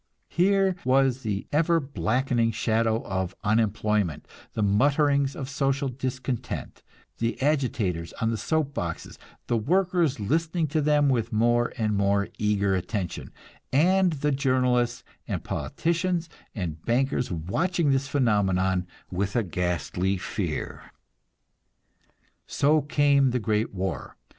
Here was the ever blackening shadow of unemployment, the mutterings of social discontent, the agitators on the soap boxes, the workers listening to them with more and more eager attention, and the journalists and politicians and bankers watching this phenomenon with a ghastly fear. So came the great war.